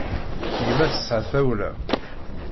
Yemma tesɛa tawla.